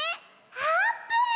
あーぷん！